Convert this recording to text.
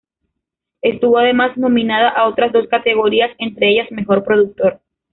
Estuvo además nominada a otras dos categorías, entre ellas mejor productor.